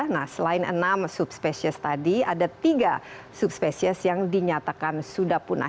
nah selain enam subspecies tadi ada tiga subspesies yang dinyatakan sudah punah